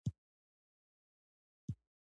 • د واورې اورښت د فصلونو لپاره ګټور دی.